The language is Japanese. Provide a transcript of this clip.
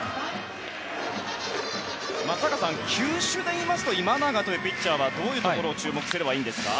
松坂さん、球種でいうと今永というピッチャーはどういうところに注目すればよいですか。